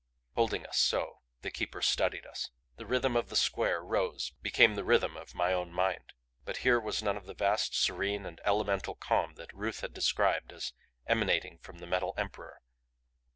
Holding us so the Keeper studied us. The rhythm of the square rose, became the rhythm of my own mind. But here was none of the vast, serene and elemental calm that Ruth had described as emanating from the Metal Emperor.